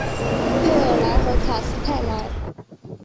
佩尔莱和卡斯泰莱。